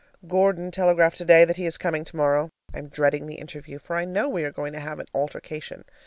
Gordon telegraphed today that he is coming tomorrow. I am dreading the interview, for I know we are going to have an altercation.